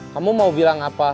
kamu mau bilang apa